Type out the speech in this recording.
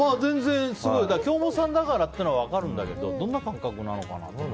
京本さんだからっていうのは分かるんだけどどんな感覚なのかなって。